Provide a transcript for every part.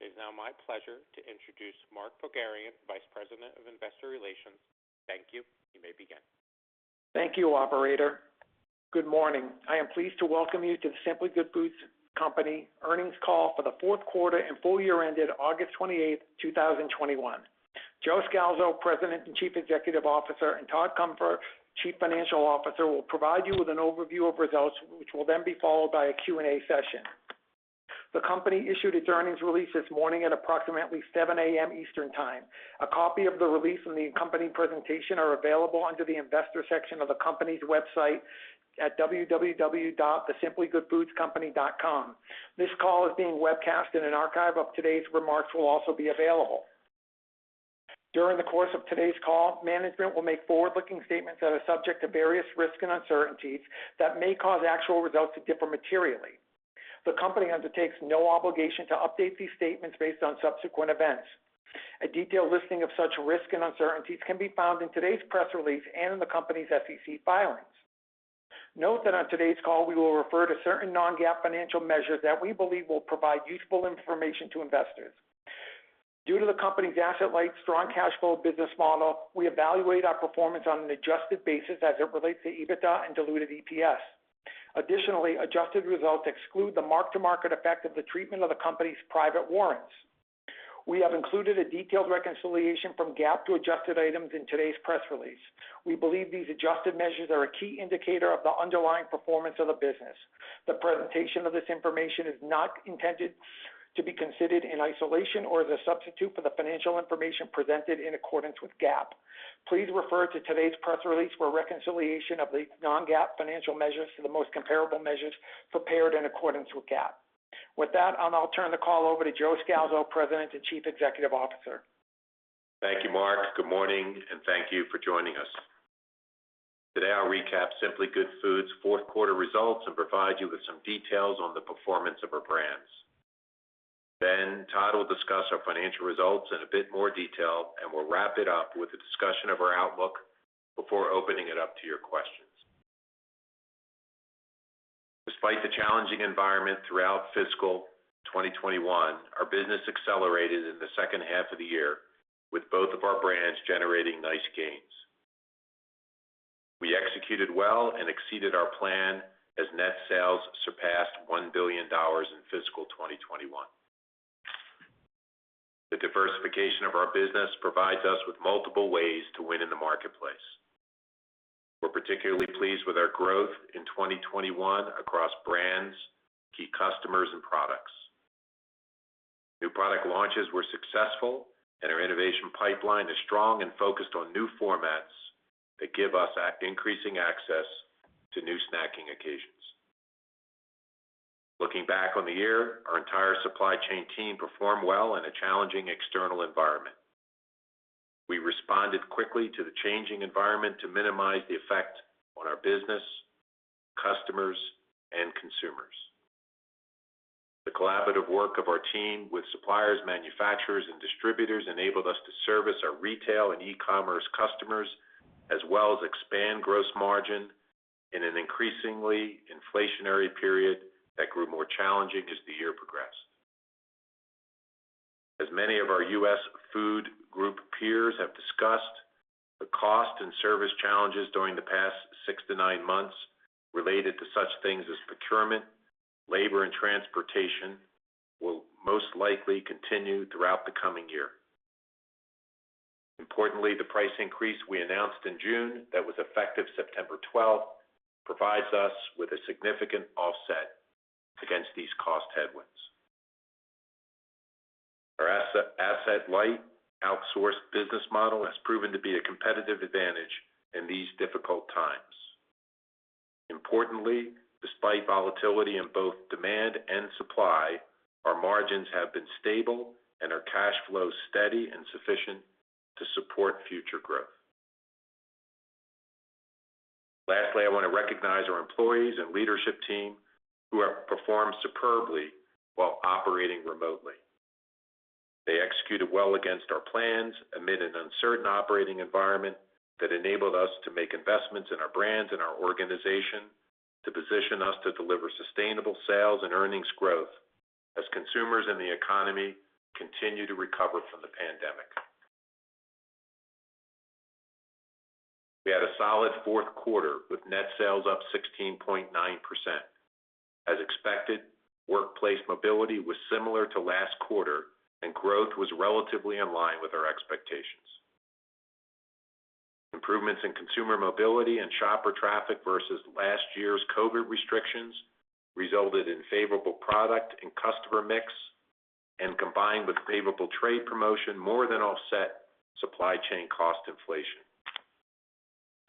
It is now my pleasure to introduce Mark Pogharian, Vice President of Investor Relations. Thank you. You may begin. Thank you, operator. Good morning. I am pleased to welcome you to The Simply Good Foods Company earnings call for the fourth quarter and full year ended August 28th, 2021. Joe Scalzo, President and Chief Executive Officer, and Todd Cunfer, Chief Financial Officer, will provide you with an overview of results, which will then be followed by a Q&A session. The company issued its earnings release this morning at approximately 7:00 A.M. Eastern Time. A copy of the release and the accompanying presentation are available under the Investors section of the company's website at www.thesimplygoodfoodscompany.com. This call is being webcast and an archive of today's remarks will also be available. During the course of today's call, management will make forward-looking statements that are subject to various risks and uncertainties that may cause actual results to differ materially. The company undertakes no obligation to update these statements based on subsequent events. A detailed listing of such risks and uncertainties can be found in today's press release and in the company's SEC filings. Note that on today's call, we will refer to certain non-GAAP financial measures that we believe will provide useful information to investors. Due to the company's asset-light, strong cash flow business model, we evaluate our performance on an adjusted basis as it relates to EBITDA and diluted EPS. Additionally, adjusted results exclude the mark-to-market effect of the treatment of the company's private warrants. We have included a detailed reconciliation from GAAP to adjusted items in today's press release. We believe these adjusted measures are a key indicator of the underlying performance of the business. The presentation of this information is not intended to be considered in isolation or as a substitute for the financial information presented in accordance with GAAP. Please refer to today's press release for a reconciliation of the non-GAAP financial measures to the most comparable measures prepared in accordance with GAAP. With that, I'll now turn the call over to Joe Scalzo, President and Chief Executive Officer. Thank you, Mark. Good morning, and thank you for joining us. Today, I'll recap Simply Good Foods' fourth quarter results and provide you with some details on the performance of our brands. Todd will discuss our financial results in a bit more detail, and we'll wrap it up with a discussion of our outlook before opening it up to your questions. Despite the challenging environment throughout fiscal 2021, our business accelerated in the second half of the year, with both of our brands generating nice gains. We executed well and exceeded our plan as net sales surpassed $1 billion in fiscal 2021. The diversification of our business provides us with multiple ways to win in the marketplace. We're particularly pleased with our growth in 2021 across brands, key customers, and products. New product launches were successful, and our innovation pipeline is strong and focused on new formats that give us increasing access to new snacking occasions. Looking back on the year, our entire supply chain team performed well in a challenging external environment. We responded quickly to the changing environment to minimize the effect on our business, customers, and consumers. The collaborative work of our team with suppliers, manufacturers, and distributors enabled us to service our retail and e-commerce customers, as well as expand gross margin in an increasingly inflationary period that grew more challenging as the year progressed. As many of our U.S. food group peers have discussed, the cost and service challenges during the past 6-9 months related to such things as procurement, labor, and transportation will most likely continue throughout the coming year. Importantly, the price increase we announced in June that was effective September 12th provides us with a significant offset against these cost headwinds. Our asset-light, outsourced business model has proven to be a competitive advantage in these difficult times. Importantly, despite volatility in both demand and supply, our margins have been stable and our cash flow steady and sufficient to support future growth. Lastly, I want to recognize our employees and leadership team who have performed superbly while operating remotely. They executed well against our plans amid an uncertain operating environment that enabled us to make investments in our brands and our organization to position us to deliver sustainable sales and earnings growth as consumers and the economy continue to recover from the pandemic. We had a solid fourth quarter with net sales up 16.9%. As expected, workplace mobility was similar to last quarter, and growth was relatively in line with our expectations. Improvements in consumer mobility and shopper traffic versus last year's COVID restrictions resulted in favorable product and customer mix, and combined with favorable trade promotion more than offset supply chain cost inflation.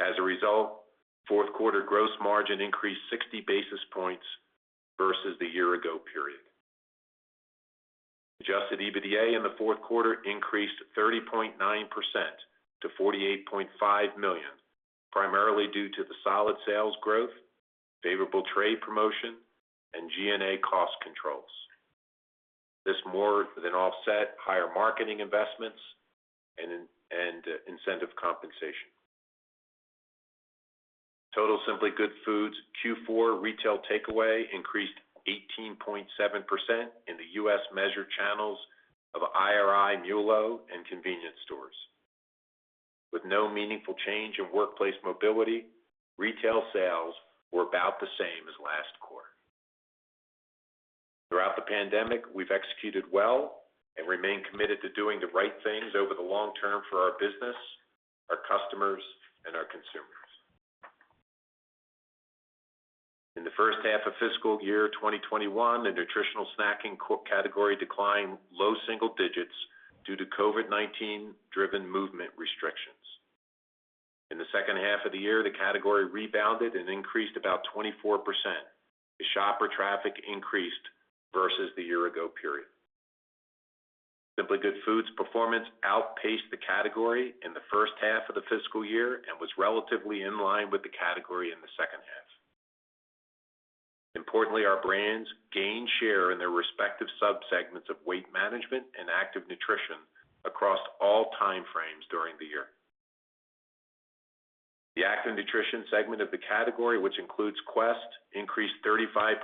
As a result, fourth quarter gross margin increased 60 basis points versus the year ago period. Adjusted EBITDA in the fourth quarter increased 30.9% to $48.5 million, primarily due to the solid sales growth, favorable trade promotion, and G&A cost controls. This more than offset higher marketing investments and incentive compensation. Total Simply Good Foods Q4 retail takeaway increased 18.7% in the U.S. measured channels of IRI, MULO, and convenience stores. With no meaningful change in workplace mobility, retail sales were about the same as last quarter. Throughout the pandemic, we've executed well and remain committed to doing the right things over the long term for our business, our customers, and our consumers. In the first half of fiscal year 2021, the nutritional snacking category declined low single-digits due to COVID-19 driven movement restrictions. In the second half of the year, the category rebounded and increased about 24% as shopper traffic increased versus the year ago period. Simply Good Foods' performance outpaced the category in the first half of the fiscal year and was relatively in line with the category in the second half. Importantly, our brands gained share in their respective sub-segments of weight management and active nutrition across all time frames during the year. The active nutrition segment of the category, which includes Quest, increased 35%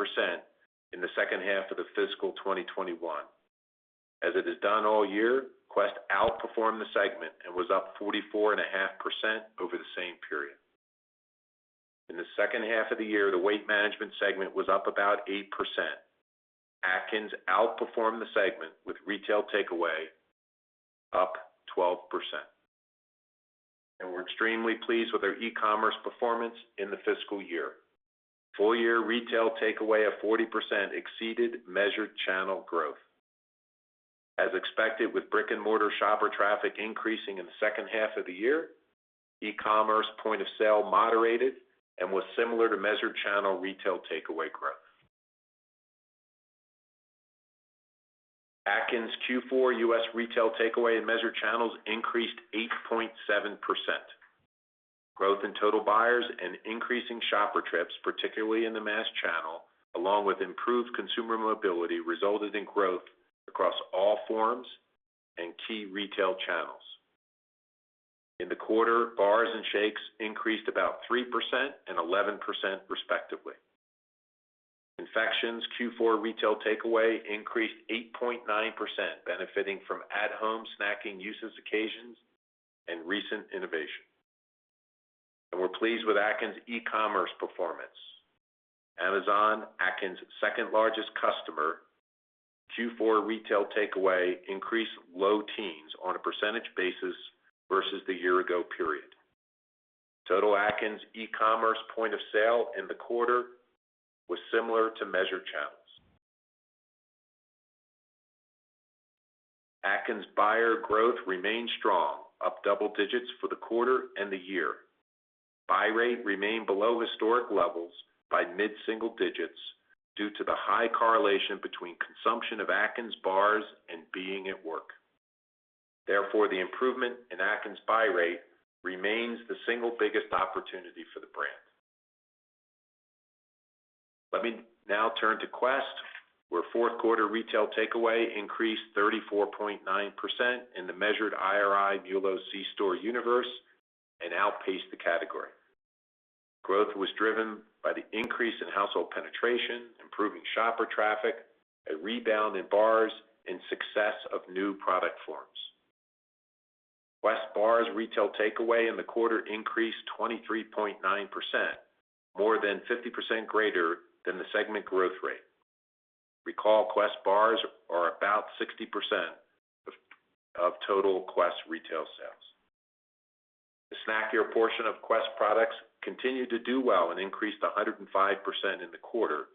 in the second half of the fiscal 2021. As it has done all year, Quest outperformed the segment and was up 44.5% over the same period. In the second half of the year, the weight management segment was up about 8%. Atkins outperformed the segment with retail takeaway up 12%. We're extremely pleased with our e-commerce performance in the fiscal year. Full year retail takeaway of 40% exceeded measured channel growth. As expected, with brick and mortar shopper traffic increasing in the second half of the year, e-commerce point of sale moderated and was similar to measured channel retail takeaway growth. Atkins Q4 U.S. retail takeaway in measured channels increased 8.7%. Growth in total buyers and increasing shopper trips, particularly in the mass channel, along with improved consumer mobility, resulted in growth across all forms and key retail channels. In the quarter, bars and shakes increased about 3% and 11% respectively. Confections Q4 retail takeaway increased 8.9%, benefiting from at-home snacking usage occasions and recent innovation. We're pleased with Atkins' e-commerce performance. Amazon, Atkins' second largest customer, Q4 retail takeaway increased low teens on a percentage basis versus the year ago period. Total Atkins e-commerce point of sale in the quarter was similar to measured channels. Atkins buyer growth remained strong, up double digits for the quarter and the year. Buy rate remained below historic levels by mid-single-digits due to the high correlation between consumption of Atkins bars and being at work. Therefore, the improvement in Atkins buy rate remains the single biggest opportunity for the brand. Let me now turn to Quest, where fourth quarter retail takeaway increased 34.9% in the measured IRI MULO C-store universe and outpaced the category. Growth was driven by the increase in household penetration, improving shopper traffic, a rebound in bars, and success of new product forms. Quest bars retail takeaway in the quarter increased 23.9%, more than 50% greater than the segment growth rate. Recall Quest bars are about 60% of total Quest retail sales. The snackier portion of Quest products continued to do well and increased 105% in the quarter,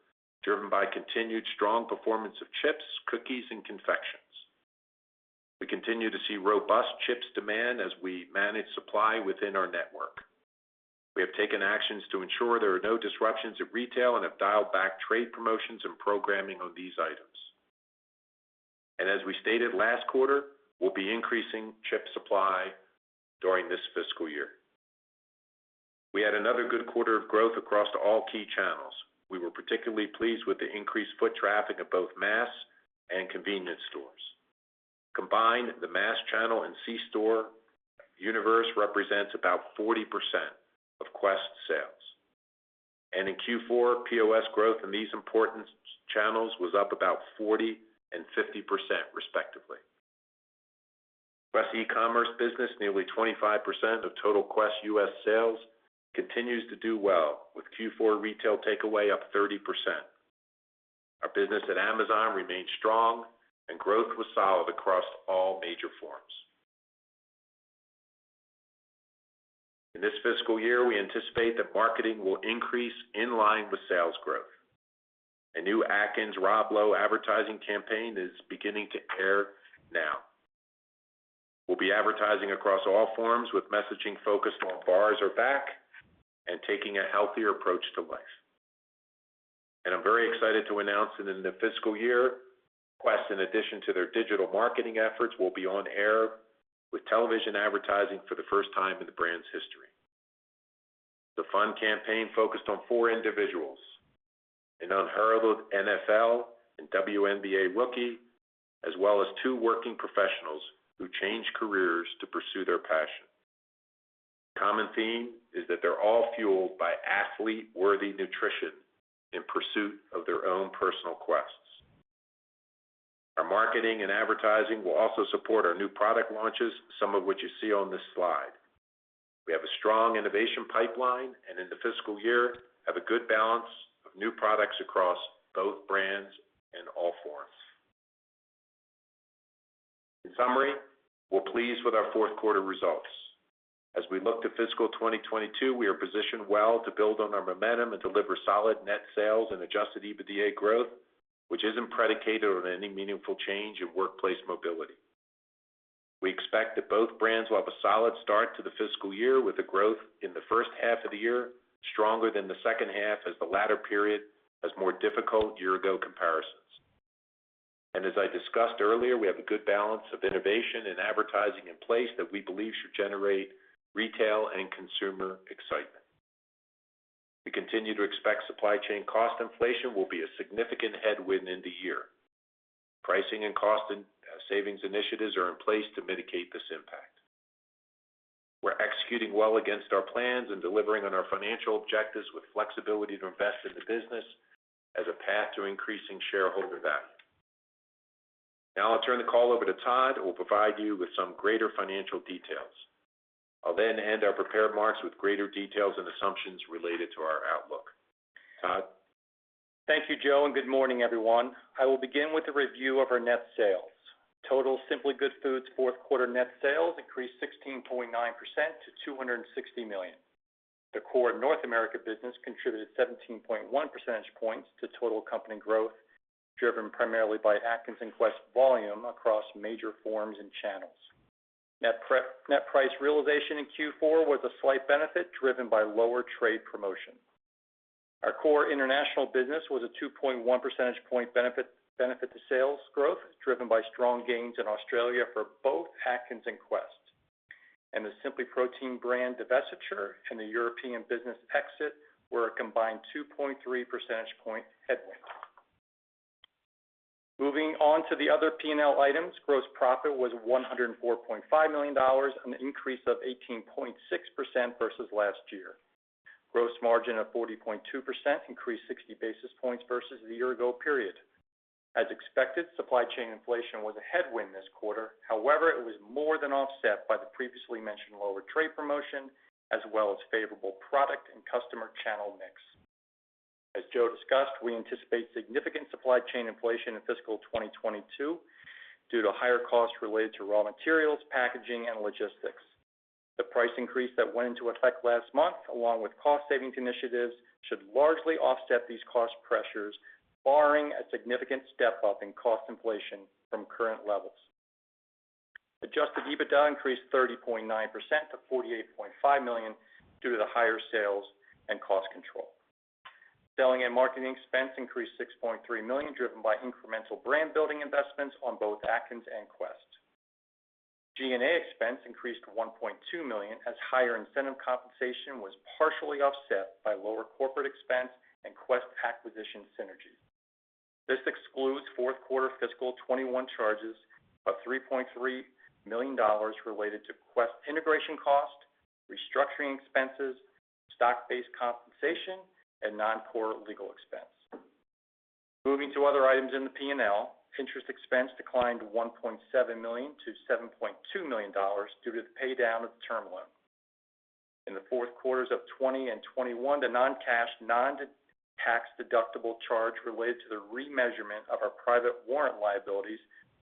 driven by continued strong performance of chips, cookies, and confections. We continue to see robust chips demand as we manage supply within our network. We have taken actions to ensure there are no disruptions at retail and have dialed back trade promotions and programming on these items. As we stated last quarter, we'll be increasing chip supply during this fiscal year. We had another good quarter of growth across all key channels. We were particularly pleased with the increased foot traffic of both mass and convenience stores. Combined, the mass channel and C-store universe represents about 40% of Quest sales. In Q4, POS growth in these important channels was up about 40% and 50%, respectively. Quest e-commerce business, nearly 25% of total Quest U.S. sales, continues to do well with Q4 retail takeaway up 30%. Our business at Amazon remains strong and growth was solid across all major forms. In this fiscal year, we anticipate that marketing will increase in line with sales growth. A new Atkins Rob Lowe advertising campaign is beginning to air. We'll be advertising across all forms with messaging focused on bars are back and taking a healthier approach to life. I'm very excited to announce that in the fiscal year, Quest, in addition to their digital marketing efforts, will be on air with television advertising for the first time in the brand's history. The fun campaign focused on four individuals, an unheralded NFL and WNBA rookie, as well as two working professionals who changed careers to pursue their passion. Common theme is that they're all fueled by athlete-worthy nutrition in pursuit of their own personal quests. Our marketing and advertising will also support our new product launches, some of which you see on this slide. We have a strong innovation pipeline, and in the fiscal year, have a good balance of new products across both brands and all forms. In summary, we're pleased with our fourth quarter results. As we look to fiscal 2022, we are positioned well to build on our momentum and deliver solid net sales and adjusted EBITDA growth, which isn't predicated on any meaningful change in workplace mobility. We expect that both brands will have a solid start to the fiscal year with a growth in the first half of the year, stronger than the second half as the latter period has more difficult year-ago comparisons. As I discussed earlier, we have a good balance of innovation and advertising in place that we believe should generate retail and consumer excitement. We continue to expect supply chain cost inflation will be a significant headwind in the year. Pricing and cost savings initiatives are in place to mitigate this impact. We're executing well against our plans and delivering on our financial objectives with flexibility to invest in the business as a path to increasing shareholder value. Now I'll turn the call over to Todd, who will provide you with some greater financial details. I'll then hand our prepared remarks with greater details and assumptions related to our outlook. Todd? Thank you, Joe, and good morning, everyone. I will begin with a review of our net sales. Total Simply Good Foods' fourth quarter net sales increased 16.9% to $260 million. The core North America business contributed 17.1 percentage points to total company growth, driven primarily by Atkins and Quest volume across major forms and channels. Net price realization in Q4 was a slight benefit, driven by lower trade promotion. Our core international business was a 2.1 percentage point benefit to sales growth, driven by strong gains in Australia for both Atkins and Quest. The SimplyProtein brand divestiture and the European business exit were a combined 2.3 percentage point headwind. Moving on to the other P&L items. Gross profit was $104.5 million, an increase of 18.6% versus last year. Gross margin of 40.2% increased 60 basis points versus the year ago period. As expected, supply chain inflation was a headwind this quarter. However, it was more than offset by the previously mentioned lower trade promotion, as well as favorable product and customer channel mix. As Joe discussed, we anticipate significant supply chain inflation in fiscal 2022 due to higher costs related to raw materials, packaging, and logistics. The price increase that went into effect last month, along with cost-saving initiatives, should largely offset these cost pressures, barring a significant step-up in cost inflation from current levels. Adjusted EBITDA increased 30.9% to $48.5 million due to the higher sales and cost control. Selling and marketing expense increased $6.3 million, driven by incremental brand building investments on both Atkins and Quest. G&A expense increased $1.2 million as higher incentive compensation was partially offset by lower corporate expense and Quest acquisition synergies. This excludes fourth quarter fiscal 2021 charges of $3.3 million related to Quest integration cost, restructuring expenses, stock-based compensation, and non-core legal expense. Moving to other items in the P&L, interest expense declined $1.7 million to $7.2 million due to the paydown of the term loan. In the fourth quarters of 2020 and 2021, the non-cash, non-tax deductible charge related to the remeasurement of our private warrant liabilities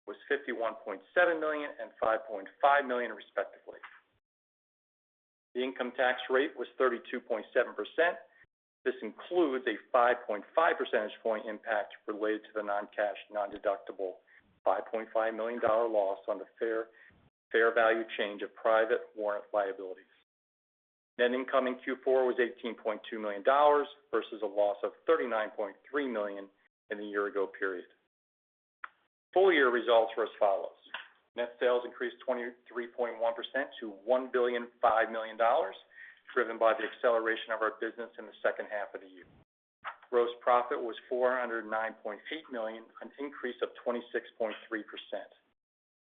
was $51.7 million and $5.5 million, respectively. The income tax rate was 32.7%. This includes a 5.5 percentage point impact related to the non-cash, non-deductible $5.5 million loss on the fair value change of private warrant liabilities. Net income in Q4 was $18.2 million versus a loss of $39.3 million in the year ago period. Full year results were as follows. Net sales increased 23.1% to $1.005 billion, driven by the acceleration of our business in the second half of the year. Gross profit was $409.8 million, an increase of 26.3%.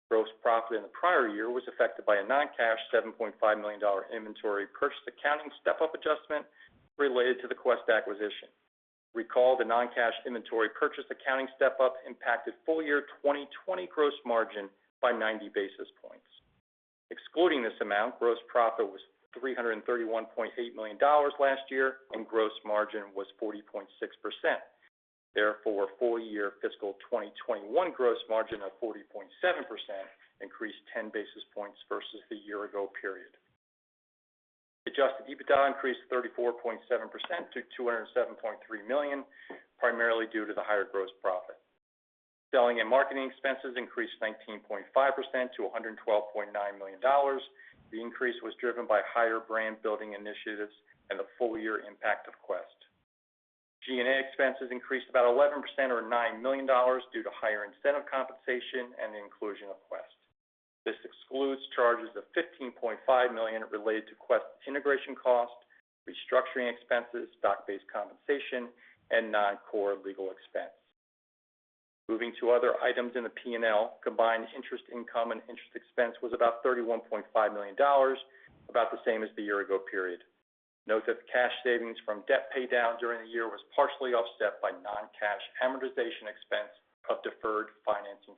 Gross profit in the prior year was affected by a non-cash $7.5 million inventory purchase accounting step-up adjustment related to the Quest acquisition. Recall the non-cash inventory purchase accounting step-up impacted full year 2020 gross margin by 90 basis points. Excluding this amount, gross profit was $331.8 million last year, and gross margin was 40.6%. Full year fiscal 2021 gross margin of 40.7% increased 10 basis points versus the year ago period. Adjusted EBITDA increased 34.7% to $207.3 million, primarily due to the higher gross profit. Selling and marketing expenses increased 19.5% to $112.9 million. The increase was driven by higher brand building initiatives and the full year impact of Quest. G&A expenses increased about 11% or $9 million due to higher incentive compensation and the inclusion of Quest. This excludes charges of $15.5 million related to Quest integration cost, restructuring expenses, stock-based compensation, and non-core legal expense. Moving to other items in the P&L, combined interest income and interest expense was about $31.5 million, about the same as the year ago period. Note that the cash savings from debt paydown during the year was partially offset by non-cash amortization expense of deferred financing.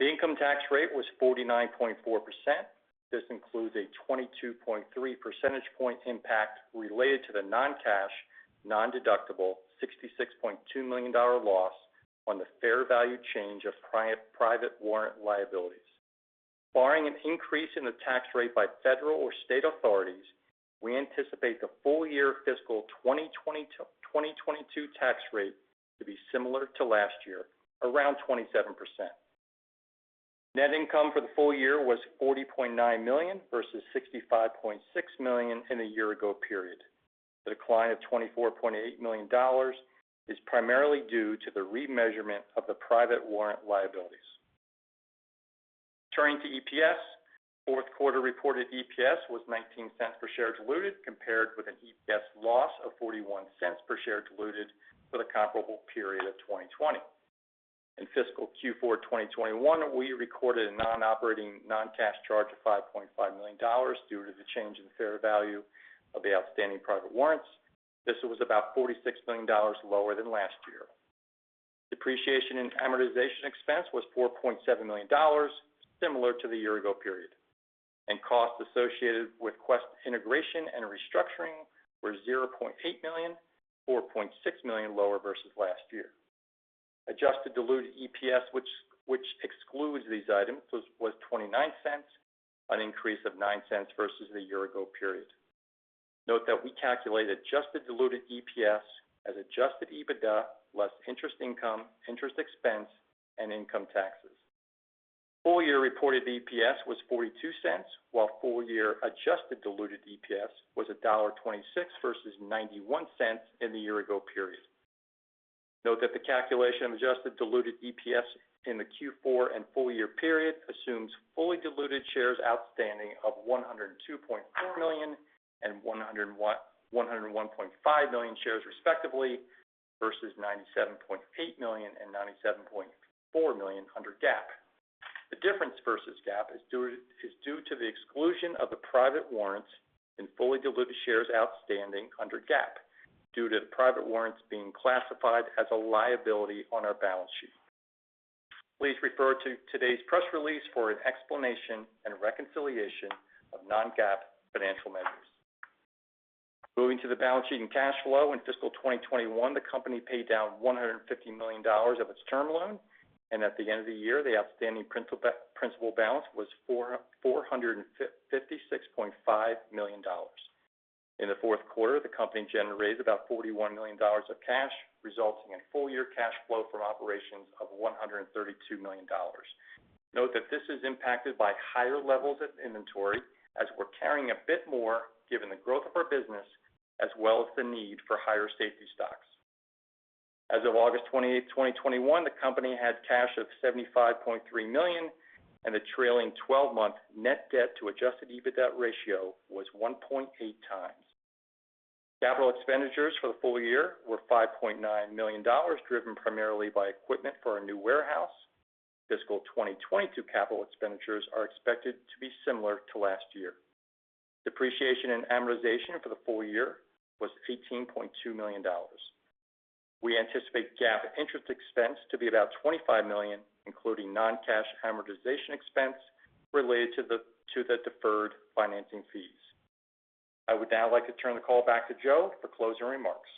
The income tax rate was 49.4%. This includes a 22.3 percentage points impact related to the non-cash, non-deductible $66.2 million loss on the fair value change of private warrant liabilities. Barring an increase in the tax rate by federal or state authorities, we anticipate the full year fiscal 2022 tax rate to be similar to last year, around 27%. Net income for the full year was $40.9 million versus $65.6 million in the year ago period. The decline of $24.8 million is primarily due to the remeasurement of the private warrant liabilities. Turning to EPS, fourth quarter reported EPS was $0.19 per share diluted, compared with an EPS loss of $0.41 per share diluted for the comparable period of 2020. In fiscal Q4 2021, we recorded a non-operating non-cash charge of $5.5 million due to the change in fair value of the outstanding private warrants. This was about $46 million lower than last year. Depreciation and amortization expense was $4.7 million, similar to the year ago period, and costs associated with Quest integration and restructuring were $0.8 million, $4.6 million lower versus last year. Adjusted diluted EPS, which excludes these items, was $0.29, an increase of $0.09 versus the year ago period. Note that we calculate adjusted diluted EPS as adjusted EBITDA less interest income, interest expense, and income taxes. Full year reported EPS was $0.42, while full year adjusted diluted EPS was $1.26 versus $0.91 in the year ago period. Note that the calculation of adjusted diluted EPS in the Q4 and full year period assumes fully diluted shares outstanding of 102.4 million and 101.5 million shares respectively, versus 97.8 million and 97.4 million under GAAP. The difference versus GAAP is due to the exclusion of the private warrants in fully diluted shares outstanding under GAAP due to the private warrants being classified as a liability on our balance sheet. Please refer to today's press release for an explanation and reconciliation of non-GAAP financial measures. Moving to the balance sheet and cash flow. In fiscal 2021, the company paid down $150 million of its term loan, and at the end of the year, the outstanding principal balance was $456.5 million. In the fourth quarter, the company generated about $41 million of cash, resulting in full year cash flow from operations of $132 million. Note that this is impacted by higher levels of inventory as we're carrying a bit more given the growth of our business as well as the need for higher safety stocks. As of August 28, 2021, the company had cash of $75.3 million and the trailing 12-month net debt to adjusted EBITDA ratio was 1.8x. Capital expenditures for the full year were $5.9 million, driven primarily by equipment for our new warehouse. Fiscal 2022 capital expenditures are expected to be similar to last year. Depreciation and amortization for the full year was $18.2 million. We anticipate GAAP interest expense to be about $25 million, including non-cash amortization expense related to the deferred financing fees. I would now like to turn the call back to Joe for closing remarks.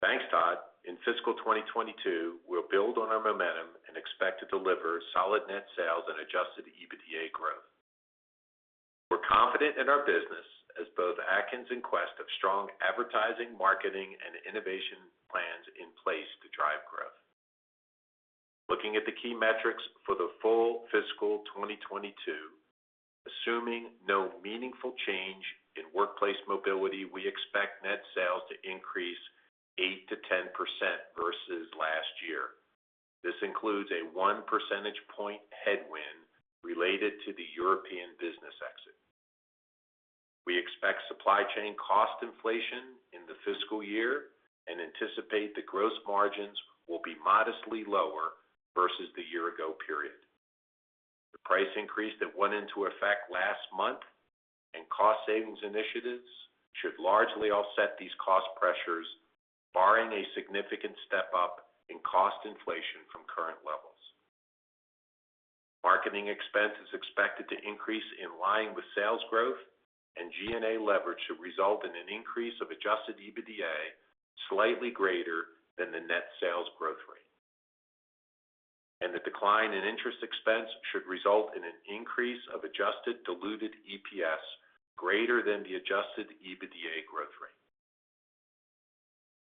Thanks, Todd. In fiscal 2022, we'll build on our momentum and expect to deliver solid net sales and adjusted EBITDA growth. We're confident in our business as both Atkins and Quest have strong advertising, marketing, and innovation plans in place to drive growth. Looking at the key metrics for the full fiscal 2022, assuming no meaningful change in workplace mobility, we expect net sales to increase 8%-10% versus last year. This includes a one percentage point headwind related to the European business exit. We expect supply chain cost inflation in the fiscal year and anticipate the gross margins will be modestly lower versus the year ago period. The price increase that went into effect last month and cost savings initiatives should largely offset these cost pressures, barring a significant step-up in cost inflation from current levels. Marketing expense is expected to increase in line with sales growth, and G&A leverage should result in an increase of adjusted EBITDA slightly greater than the net sales growth rate. The decline in interest expense should result in an increase of adjusted diluted EPS greater than the adjusted EBITDA growth rate.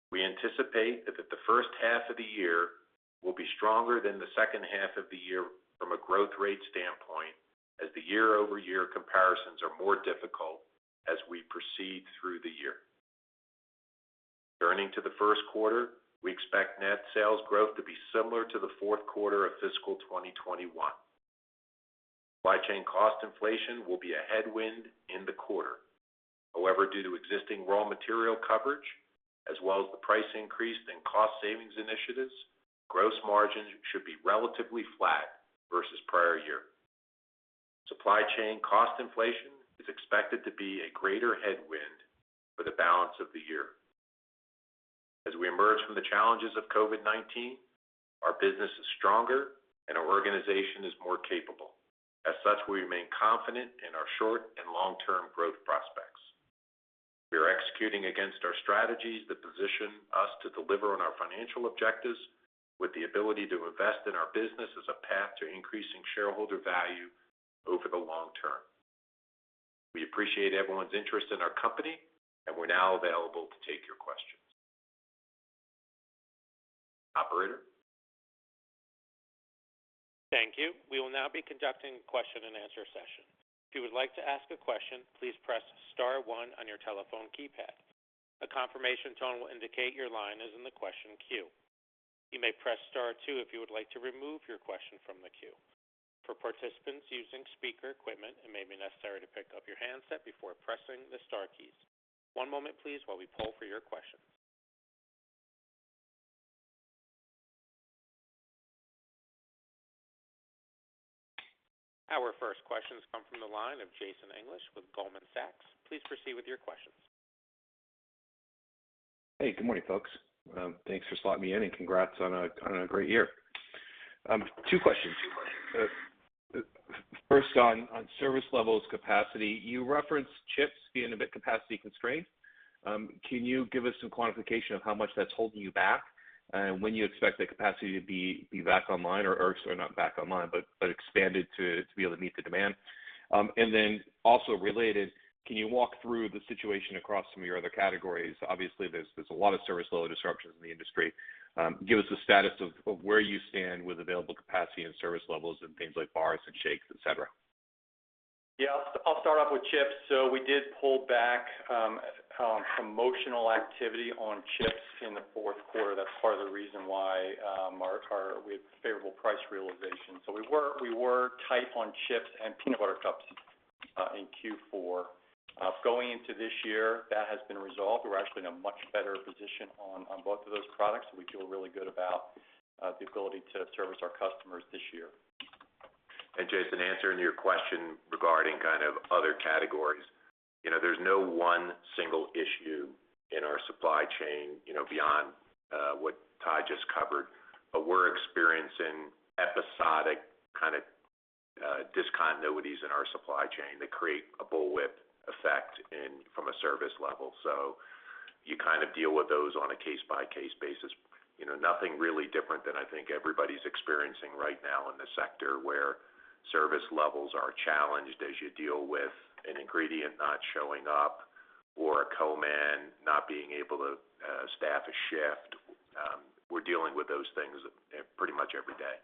We anticipate that the first half of the year will be stronger than the second half of the year from a growth rate standpoint, as the year-over-year comparisons are more difficult as we proceed through the year. Turning to the first quarter, we expect net sales growth to be similar to the fourth quarter of fiscal 2021. Supply chain cost inflation will be a headwind in the quarter. However, due to existing raw material coverage, as well as the price increase and cost savings initiatives, gross margins should be relatively flat versus prior year. Supply chain cost inflation is expected to be a greater headwind for the balance of the year. As we emerge from the challenges of COVID-19, our business is stronger and our organization is more capable. As such, we remain confident in our short and long-term growth prospects. We are executing against our strategies that position us to deliver on our financial objectives with the ability to invest in our business as a path to increasing shareholder value over the long term. We appreciate everyone's interest in our company, and we're now available to take your questions. Operator? Thank you. We will now be conducting a question-and-answer session. If you would like to ask a question, please press star one on your telephone keypad. The confirmation tone will indicate your line is in the question queue. You may press star two if you would like to remove your question from the queue. For participants using speaker equipment, it may be necessary to pick up your handset before pressing the star key. One moment, please, while we poll for your questions. Our first questions come from the line of Jason English with Goldman Sachs. Please proceed with your questions. Hey, good morning, folks. Thanks for slotting me in and congrats on a great year. Two questions. First on service levels capacity, you referenced chips being a bit capacity constrained. Can you give us some quantification of how much that's holding you back and when you expect the capacity to be back online or, sorry, not back online, but expanded to be able to meet the demand? Also related, can you walk through the situation across some of your other categories? Obviously, there's a lot of service level disruptions in the industry. Give us a status of where you stand with available capacity and service levels in things like bars and shakes, et cetera. Yeah, I'll start off with chips. We did pull back on promotional activity on chips in the fourth quarter. That's part of the reason why we have favorable price realization. We were tight on chips and peanut butter cups in Q4. Going into this year, that has been resolved. We're actually in a much better position on both of those products. We feel really good about the ability to service our customers this year. Jason, answering your question regarding kind of other categories. There's no one single issue in our supply chain, beyond what Todd just covered. We're experiencing episodic kind of discontinuities in our supply chain that create a bullwhip effect from a service level. You kind of deal with those on a case-by-case basis. Nothing really different than I think everybody's experiencing right now in the sector where service levels are challenged as you deal with an ingredient not showing up or a co-man not being able to staff a shift. We're dealing with those things pretty much every day.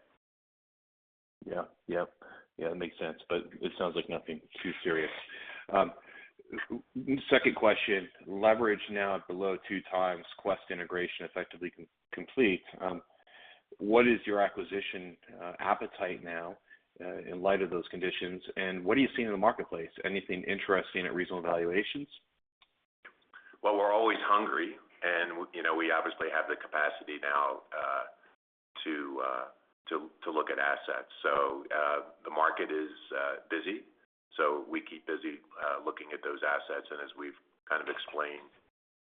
Yeah. It makes sense. It sounds like nothing too serious. Second question, leverage now at below 2x Quest integration effectively complete. What is your acquisition appetite now in light of those conditions, and what are you seeing in the marketplace? Anything interesting at reasonable valuations? We're always hungry, and we obviously have the capacity now to look at assets. The market is busy, so we keep busy looking at those assets. As we've kind of explained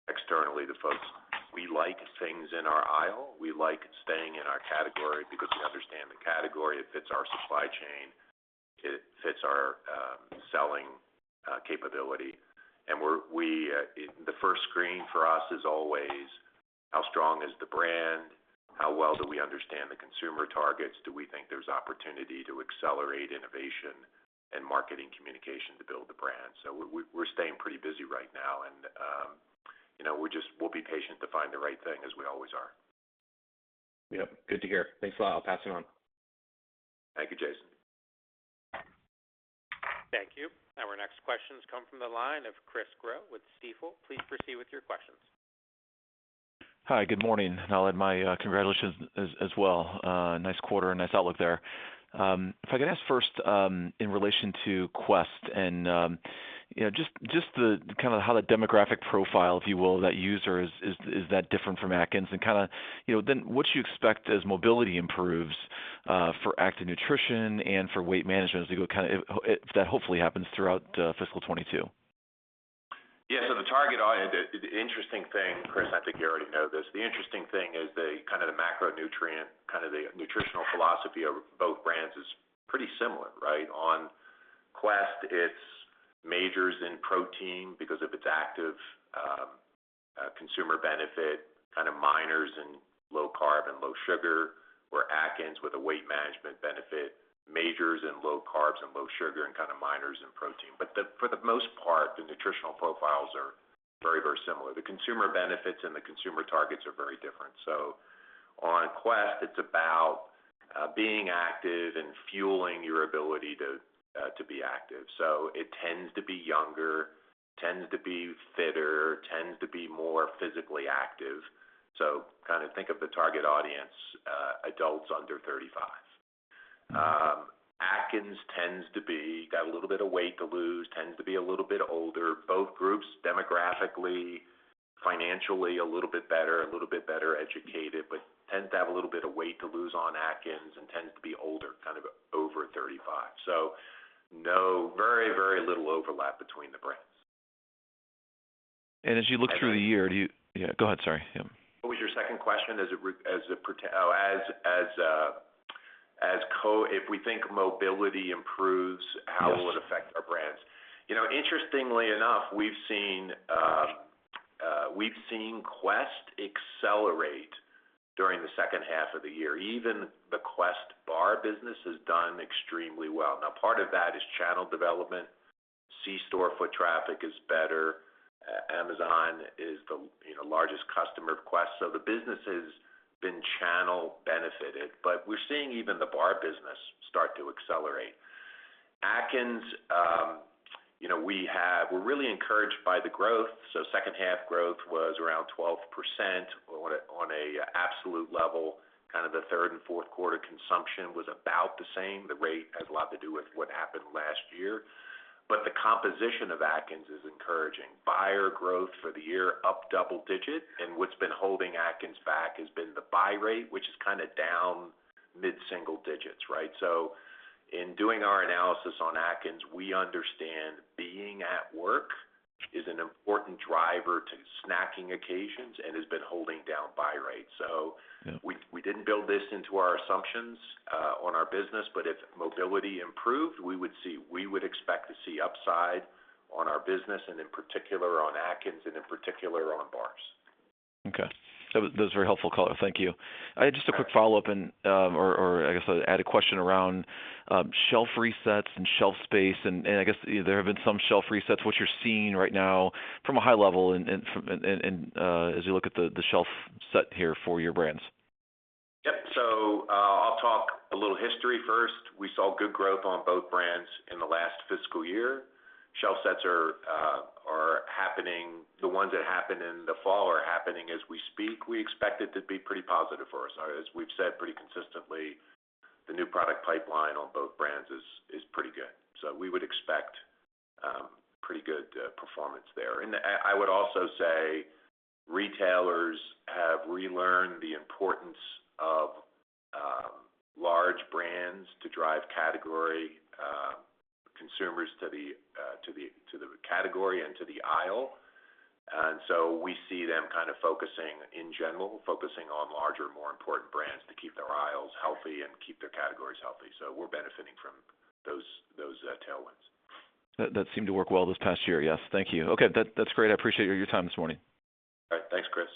externally to folks, we like things in our aisle, we like staying in our category because we understand the category. It fits our supply chain, it fits our selling capability. The first screen for us is always how strong is the brand? How well do we understand the consumer targets? Do we think there's opportunity to accelerate innovation and marketing communication to build the brand? We're staying pretty busy right now and we'll be patient to find the right thing as we always are. Yep, good to hear. Thanks a lot. I'll pass it on. Thank you, Jason. Thank you. Our next questions come from the line of Chris Growe with Stifel. Please proceed with your questions. Hi, good morning, and I'll add my congratulations as well. Nice quarter, nice outlook there. If I could ask first in relation to Quest and just the kind of how the demographic profile, if you will, that user, is that different from Atkins? Kind of then what you expect as mobility improves for active nutrition and for weight management as that hopefully happens throughout fiscal 2022. Yeah, the target audience. The interesting thing, Chris, I think you already know this. The interesting thing is the kind of the macronutrient, kind of the nutritional philosophy of. On Quest, it majors in protein because of its active consumer benefit, kind of minors in low carb and low sugar, where Atkins, with a weight management benefit, majors in low carbs and low sugar and kind of minors in protein. For the most part, the nutritional profiles are very similar. The consumer benefits and the consumer targets are very different. On Quest, it's about being active and fueling your ability to be active. It tends to be younger, tends to be fitter, tends to be more physically active. Think of the target audience, adults under 35. Atkins tends to be, got a little bit of weight to lose, tends to be a little bit older. Both groups demographically, financially a little bit better, a little bit better educated, but tends to have a little bit of weight to lose on Atkins and tends to be older, kind of over 35. Very little overlap between the brands. As you look through the year, Yeah, go ahead, sorry. Yeah. What was your second question? If we think mobility improves- Yes How will it affect our brands? Interestingly enough, we've seen Quest accelerate during the seconf half of the year. Even the Quest bar business has done extremely well. Part of that is channel development. C-store foot traffic is better. Amazon is the largest customer of Quest. The business has been channel benefited, but we're seeing even the bar business start to accelerate. Atkins, we're really encouraged by the growth. Second half growth was around 12% on an absolute level, kind of the third and fourth quarter consumption was about the same. The rate has a lot to do with what happened last year. The composition of Atkins is encouraging. Buyer growth for the year up double-digit, and what's been holding Atkins back has been the buy rate, which is kind of down mid-single-digits. Right? In doing our analysis on Atkins, we understand being at work is an important driver to snacking occasions and has been holding down buy rates. Yeah. We didn't build this into our assumptions on our business, but if mobility improved, we would expect to see upside on our business, and in particular on Atkins, and in particular on bars. Okay. That was very helpful, color. Thank you. All right. Just a quick follow-up and, or I guess I'll add a question around shelf resets and shelf space and I guess there have been some shelf resets. What you're seeing right now from a high level and as you look at the shelf set here for your brands? Yep. I'll talk a little history first. We saw good growth on both brands in the last fiscal year. Shelf sets are happening. The ones that happen in the fall are happening as we speak. We expect it to be pretty positive for us. As we've said pretty consistently, the new product pipeline on both brands is pretty good. We would expect pretty good performance there. I would also say retailers have relearned the importance of large brands to drive category consumers to the category and to the aisle. We see them kind of focusing, in general, focusing on larger, more important brands to keep their aisles healthy and keep their categories healthy. We're benefiting from those tailwinds. That seemed to work well this past year, yes. Thank you. Okay. That's great. I appreciate your time this morning. All right. Thanks, Chris.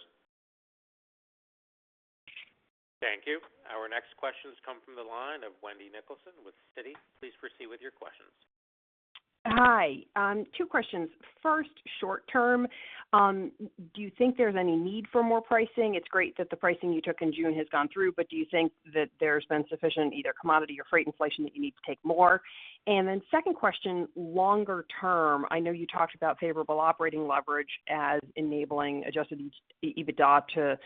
Thank you. Our next questions come from the line of Wendy Nicholson with Citi. Please proceed with your questions. Hi. Two questions. First, short term, do you think there's any need for more pricing? It's great that the pricing you took in June has gone through, but do you think that there's been sufficient either commodity or freight inflation that you need to take more? Second question, longer term, I know you talked about favorable operating leverage as enabling adjusted EBITDA to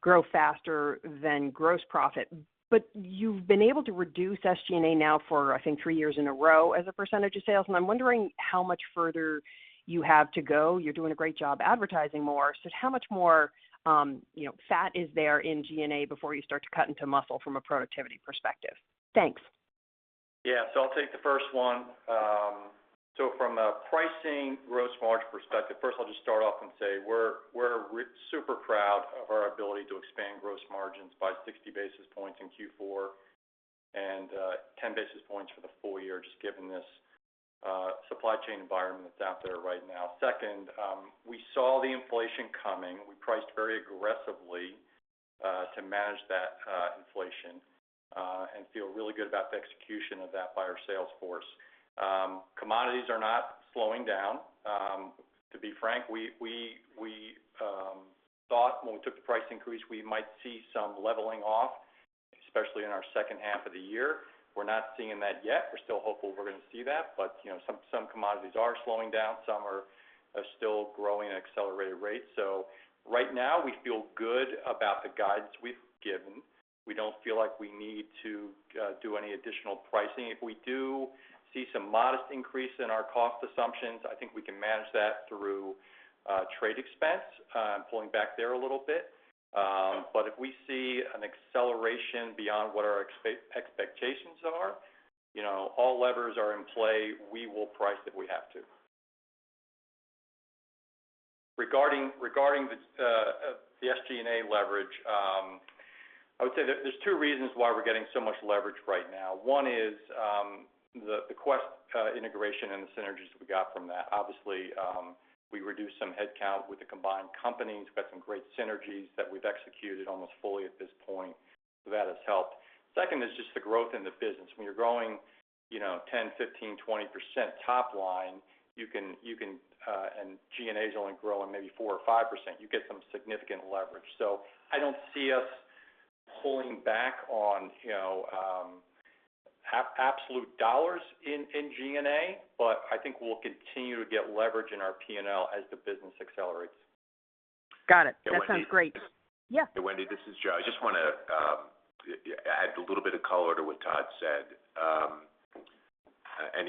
grow faster than gross profit, but you've been able to reduce SG&A now for, I think, three years in a row as a percentage of sales, and I'm wondering how much further you have to go. You're doing a great job advertising more, so how much more fat is there in G&A before you start to cut into muscle from a productivity perspective? Thanks. Yeah. I'll take the first one. From a pricing gross margin perspective, first I'll just start off and say we're super proud of our ability to expand gross margins by 60 basis points in Q4 and 10 basis points for the full year, just given this supply chain environment that's out there right now. Second, we saw the inflation coming. We priced very aggressively to manage that inflation and feel really good about the execution of that by our sales force. Commodities are not slowing down. To be frank, we thought when we took the price increase, we might see some leveling off, especially in our second half of the year. We're not seeing that yet. We're still hopeful we're going to see that, but some commodities are slowing down, some are still growing at accelerated rates. Right now, we feel good about the guidance we've given. We don't feel like we need to do any additional pricing. If we do see some modest increase in our cost assumptions, I think we can manage that through trade expense, pulling back there a little bit. If we see an acceleration beyond what our expectations are, all levers are in play. We will price if we have to. Regarding the SG&A leverage, I would say that there's two reasons why we're getting so much leverage right now. One is the Quest integration and the synergies we got from that. Obviously, we reduced some headcount with the combined companies. We've got some great synergies that we've executed almost fully at this point. That has helped. Second is just the growth in the business. When you're growing 10%, 15%, 20% top line, and G&A's only growing maybe 4% or 5%, you get some significant leverage. I don't see us pulling back on absolute dollars in G&A, but I think we'll continue to get leverage in our P&L as the business accelerates. Got it. That sounds great. Wendy, this is Joe. I just want to add a little bit of color to what Todd said.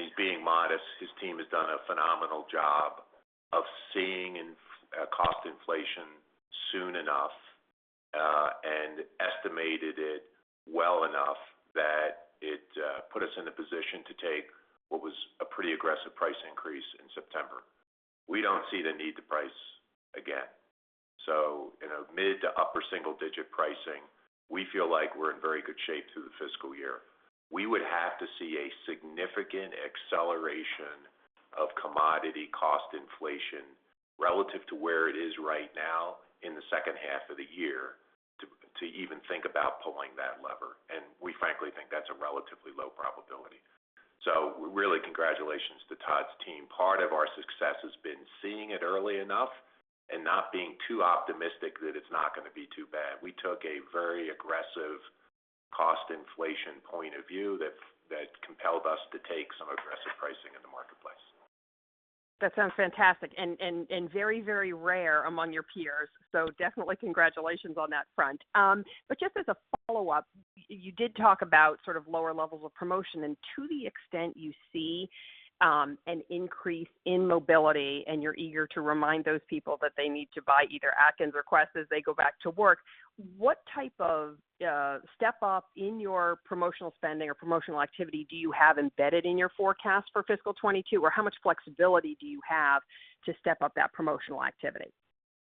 He's being modest. His team has done a phenomenal job of seeing cost inflation soon enough, and estimated it well enough that it put us in a position to take what was a pretty aggressive price increase in September. We don't see the need to price again. In a mid to upper single-digit pricing, we feel like we're in very good shape through the fiscal year. We would have to see a significant acceleration of commodity cost inflation relative to where it is right now in the second half of the year to even think about pulling that lever, we frankly think that's a relatively low probability. Really, congratulations to Todd's team. Part of our success has been seeing it early enough and not being too optimistic that it's not going to be too bad. We took a very aggressive cost inflation point of view that compelled us to take some aggressive pricing in the marketplace. That sounds fantastic and very rare among your peers, so definitely congratulations on that front. Just as a follow-up, you did talk about lower levels of promotion, and to the extent you see an increase in mobility, and you're eager to remind those people that they need to buy either Atkins or Quest as they go back to work, what type of step up in your promotional spending or promotional activity do you have embedded in your forecast for fiscal 2022? Or how much flexibility do you have to step up that promotional activity?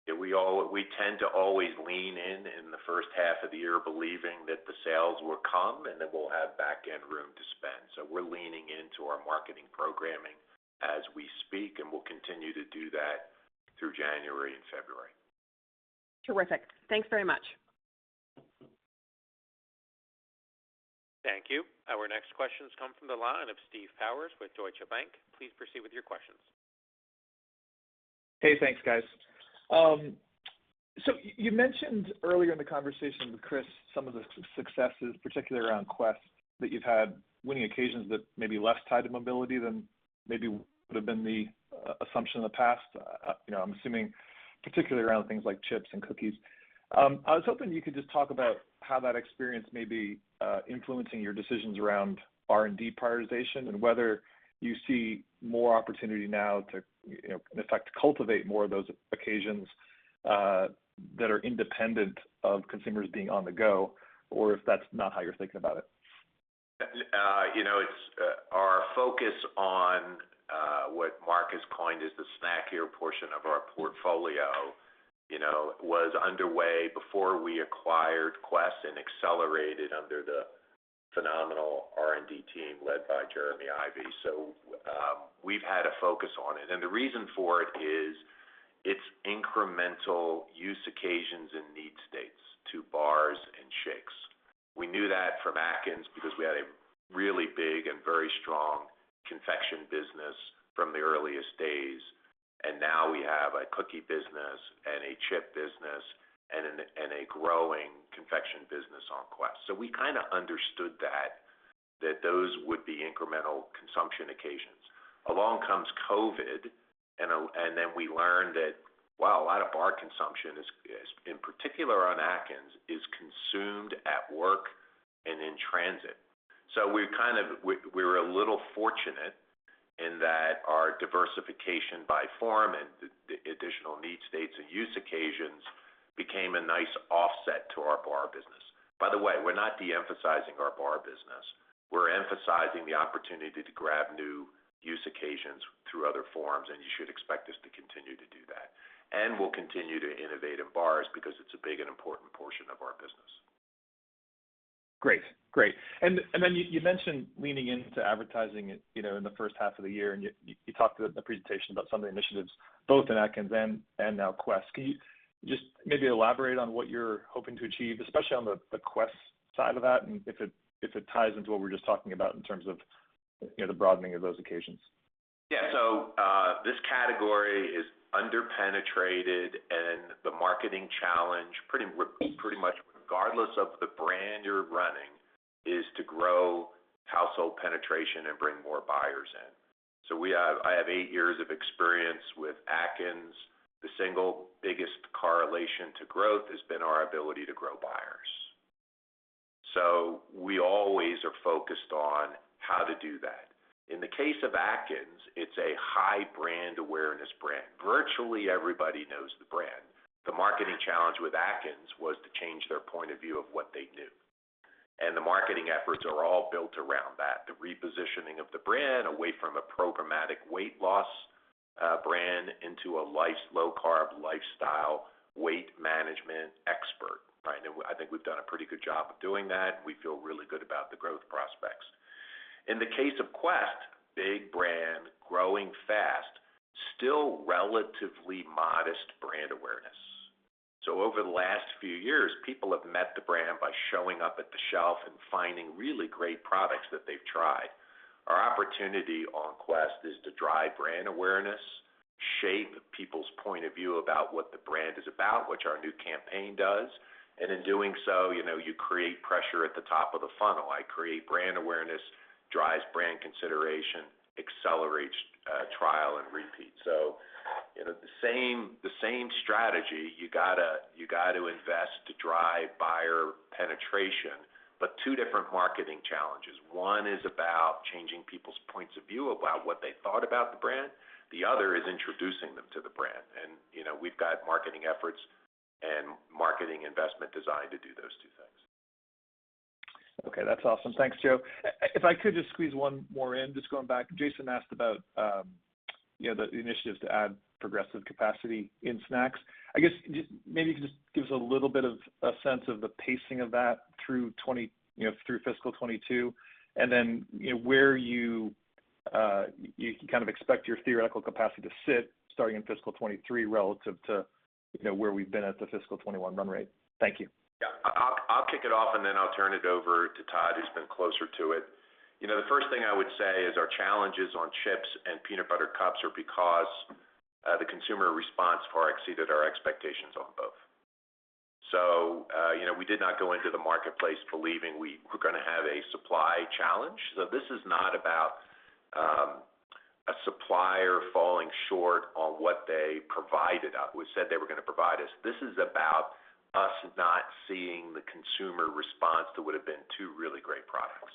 We tend to always lean in in the first half of the year, believing that the sales will come and that we'll have backend room to spend. We're leaning into our marketing programming as we speak, and we'll continue to do that through January and February. Terrific. Thanks very much. Thank you. Our next questions come from the line of Steve Powers with Deutsche Bank. Please proceed with your questions. Hey, thanks guys. You mentioned earlier in the conversation with Chris some of the successes, particularly around Quest, that you've had winning occasions that may be less tied to mobility than maybe would've been the assumption in the past. I'm assuming particularly around things like chips and cookies. I was hoping you could just talk about how that experience may be influencing your decisions around R&D prioritization and whether you see more opportunity now to, in effect, cultivate more of those occasions that are independent of consumers being on the go or if that's not how you're thinking about it? Our focus on what Mark has coined as the snackier portion of our portfolio was underway before we acquired Quest and accelerated under the phenomenal R&D team led by Jeremy Ivie. We've had a focus on it, and the reason for it is its incremental use occasions and need states to bars and shakes. We knew that from Atkins because we had a really big and very strong confection business from the earliest days, and now we have a cookie business and a chip business and a growing confection business on Quest. So we kind of understood that those would be incremental consumption occasions. Along comes COVID and then we learned that, wow, a lot of bar consumption is, in particular on Atkins, is consumed at work and in transit. We were a little fortunate in that our diversification by form and the additional need states and use occasions became a nice offset to our bar business. By the way, we're not de-emphasizing our bar business. We're emphasizing the opportunity to grab new use occasions through other forms, and you should expect us to continue to do that. We'll continue to innovate in bars because it's a big and important portion of our business. Great. You mentioned leaning into advertising in the first half of the year, and you talked about the presentation about some of the initiatives both in Atkins and now Quest. Can you just maybe elaborate on what you're hoping to achieve, especially on the Quest side of that and if it ties into what we were just talking about in terms of the broadening of those occasions? This category is under-penetrated and the marketing challenge, pretty much regardless of the brand you're running, is to grow household penetration and bring more buyers in. I have 8 years of experience with Atkins. The single biggest correlation to growth has been our ability to grow buyers. We always are focused on how to do that. In the case of Atkins, it's a high brand awareness brand. Virtually everybody The challenge with Atkins was to change their point of view of what they do. The marketing efforts are all built around that, the repositioning of the brand away from a programmatic weight loss brand into a low-carb lifestyle weight management expert. I think we've done a pretty good job of doing that. We feel really good about the growth prospects. In the case of Quest, big brand, growing fast, still relatively modest brand awareness. Over the last few years, people have met the brand by showing up at the shelf and finding really great products that they've tried. Our opportunity on Quest is to drive brand awareness, shape people's point of view about what the brand is about, which our new campaign does, and in doing so, you create pressure at the top of the funnel. I create brand awareness, drives brand consideration, accelerates trial and repeat. The same strategy, you got to invest to drive buyer penetration, but two different marketing challenges. One is about changing people's points of view about what they thought about the brand. The other is introducing them to the brand. We've got marketing efforts and marketing investment designed to do those two things. Okay. That's awesome. Thanks, Joe. If I could just squeeze one more in, just going back, Jason asked about the initiatives to add progressive capacity in snacks. I guess just maybe you could just give us a little bit of a sense of the pacing of that through FY 2022, then, where you can kind of expect your theoretical capacity to sit starting in FY 2023 relative to where we've been at the FY 2021 run-rate. Thank you. Yeah. I'll kick it off and then I'll turn it over to Todd, who's been closer to it. The first thing I would say is our challenges on chips and peanut butter cups are because the consumer response far exceeded our expectations on both. We did not go into the marketplace believing we were going to have a supply challenge. This is not about a supplier falling short on what they said they were going to provide us. This is about us not seeing the consumer response to what would've been two really great products.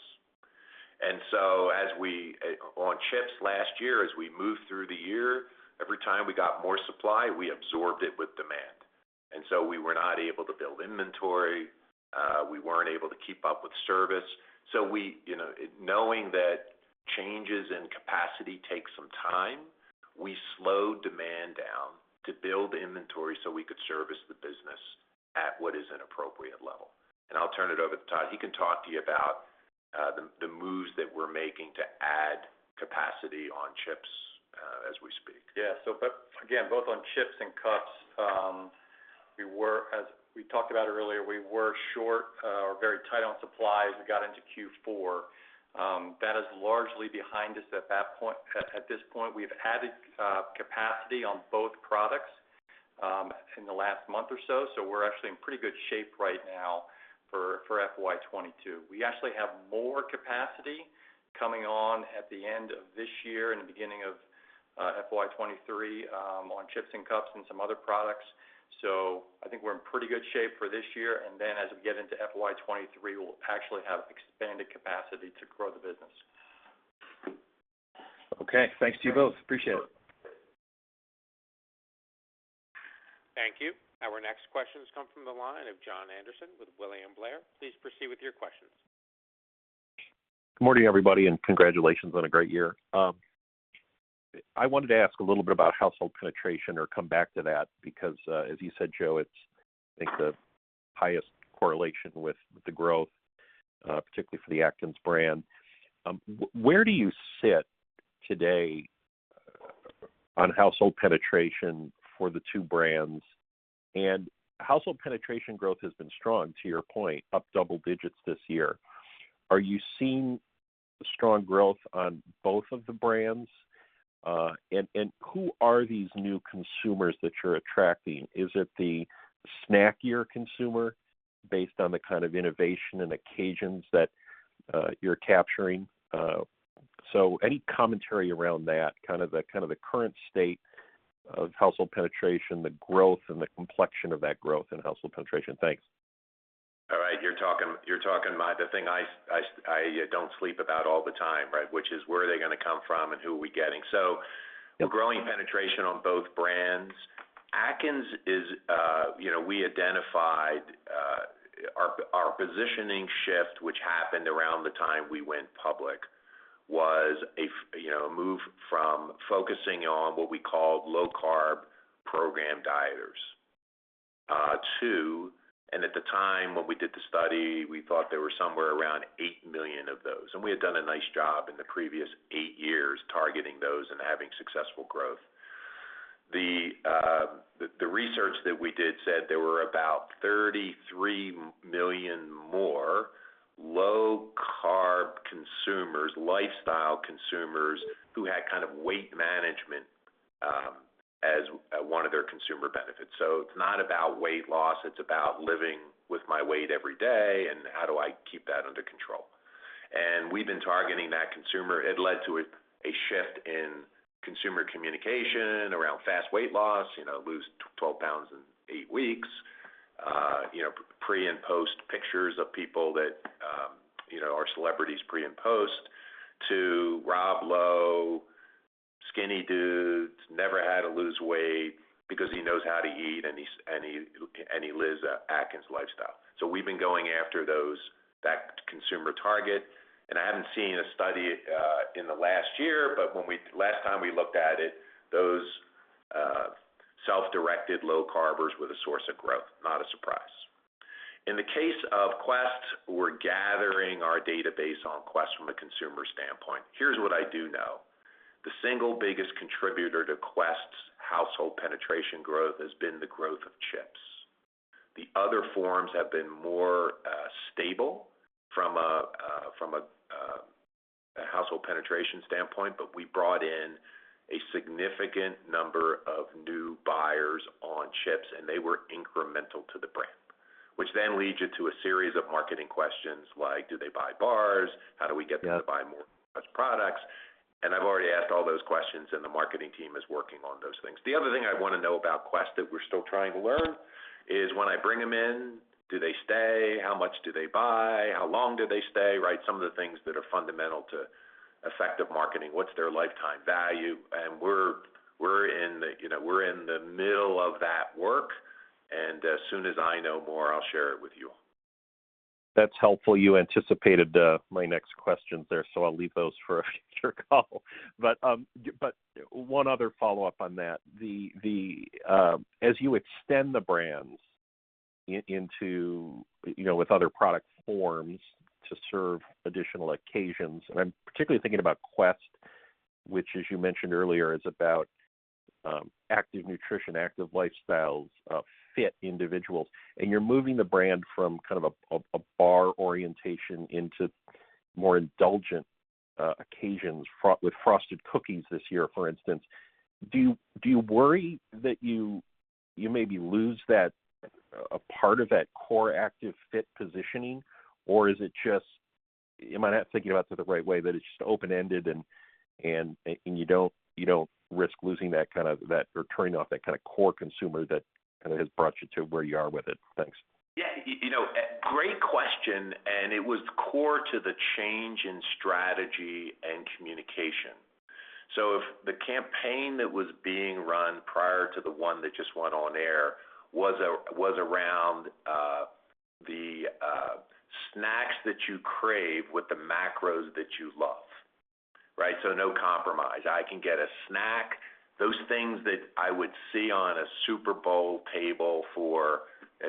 On chips last year, as we moved through the year, every time we got more supply, we absorbed it with demand. We were not able to build inventory. We weren't able to keep up with service. Knowing that changes in capacity take some time, we slowed demand down to build inventory so we could service the business at what is an appropriate level. I'll turn it over to Todd. He can talk to you about the moves that we're making to add capacity on chips as we speak. Yeah. Again, both on chips and cups, as we talked about earlier, we were short or very tight on supplies as we got into Q4. That is largely behind us at this point. We've added capacity on both products in the last month or so. We're actually in pretty good shape right now for FY 2022. We actually have more capacity coming on at the end of this year and the beginning of FY 2023 on chips and cups and some other products. I think we're in pretty good shape for this year, and then as we get into FY 2023, we'll actually have expanded capacity to grow the business. Okay. Thanks to you both. Appreciate it. Sure. Thank you. Our next questions come from the line of Jon Andersen with William Blair. Please proceed with your questions. Good morning, everybody, and congratulations on a great year. I wanted to ask a little bit about household penetration or come back to that because, as you said, Joe, it's, I think, the highest correlation with the growth, particularly for the Atkins brand. Where do you sit today on household penetration for the two brands? Household penetration growth has been strong, to your point, up double digits this year. Are you seeing strong growth on both of the brands? Who are these new consumers that you're attracting? Is it the snackier consumer based on the kind of innovation and occasions that you're capturing? Any commentary around that, kind of the current state of household penetration, the growth and the complexion of that growth in household penetration. Thanks. All right. You're talking about the thing I don't sleep about all the time, right, which is where are they going to come from and who are we getting? Growing penetration on both brands. Atkins is we identified our positioning shift, which happened around the time we went public, was a move from focusing on what we called low-carb program dieters to, and at the time when we did the study, we thought there were somewhere around 8 million of those. We had done a nice job in the previous eight years targeting those and having successful growth. The research that we did said there were about 33 million more low-carb consumers, lifestyle consumers who had kind of weight management as one of their consumer benefits. It's not about weight loss, it's about living with my weight every day and how do I keep that under control. We've been targeting that consumer. It led to a shift in consumer communication around fast weight loss, lose 12 pounds in eight weeks. Pre and post pictures of people that are celebrities pre and post to Rob Lowe, skinny dudes, never had to lose weight because he knows how to eat, and he lives a Atkins lifestyle. We've been going after that consumer target. I haven't seen a study in the last year, but last time we looked at it, those self-directed low carbers were the source of growth, not a surprise. In the case of Quest, we're gathering our database on Quest from a consumer standpoint. Here's what I do know. The single biggest contributor to Quest's household penetration growth has been the growth of chips. The other forms have been more stable from a household penetration standpoint, but we brought in a significant number of new buyers on chips, and they were incremental to the brand. Which leads you to a series of marketing questions like, do they buy bars? How do we get them to buy more of those products? I've already asked all those questions, and the marketing team is working on those things. The other thing I want to know about Quest that we're still trying to learn is when I bring them in, do they stay? How much do they buy? How long do they stay, right? Some of the things that are fundamental to effective marketing. What's their lifetime value? We're in the middle of that work, and as soon as I know more, I'll share it with you all. That's helpful. You anticipated my next questions there, so I'll leave those for a future call. One other follow-up on that. As you extend the brands with other product forms to serve additional occasions, and I'm particularly thinking about Quest, which as you mentioned earlier, is about active nutrition, active lifestyles, fit individuals, and you're moving the brand from kind of a bar orientation into more indulgent occasions with frosted cookies this year, for instance. Do you worry that you maybe lose a part of that core active fit positioning? I might not have thought you about that the right way, that it's just open-ended, and you don't risk losing that or turning off that kind of core consumer that has brought you to where you are with it? Thanks. Yeah. Great question. It was core to the change in strategy and communication. If the campaign that was being run prior to the one that just went on air was around the snacks that you crave with the macros that you love. Right? No compromise. I can get a snack, those things that I would see on a Super Bowl table for a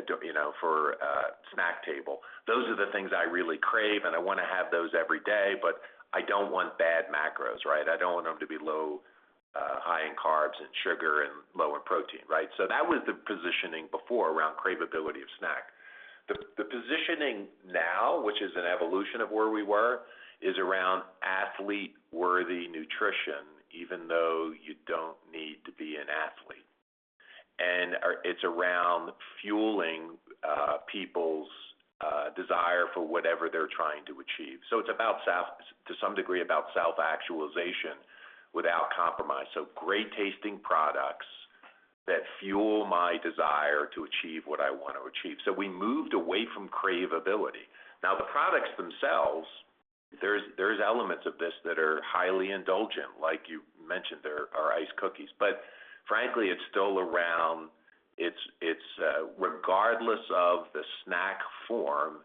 snack table. Those are the things I really crave, and I want to have those every day, but I don't want bad macros, right? I don't want them to be high in carbs and sugar and low in protein, right? That was the positioning before around cravability of snack. The positioning now, which is an evolution of where we were, is around athlete-worthy nutrition, even though you don't need to be an athlete. It's around fueling people's desire for whatever they're trying to achieve. It's to some degree about self-actualization without compromise. Great-tasting products that fuel my desire to achieve what I want to achieve. We moved away from cravability. Now the products themselves, there's elements of this that are highly indulgent, like you mentioned, our iced cookies. Frankly, it's still around Regardless of the snack form,